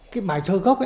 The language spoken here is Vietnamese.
cái bài thơ gốc ấy